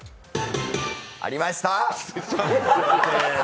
ありました！